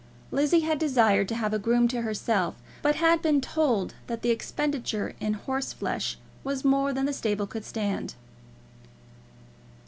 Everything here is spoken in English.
Lizzie had desired to have a groom to herself, but had been told that the expenditure in horseflesh was more than the stable could stand.